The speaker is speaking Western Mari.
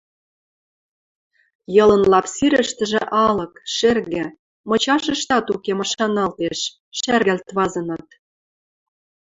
Йылын лап сирӹштӹжӹ алык, шӹргӹ – мычашыштат уке машаналтеш, шӓргӓлт вазыныт.